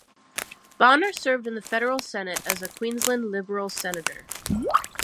Bonner served in the federal Senate as a Queensland Liberal Senator.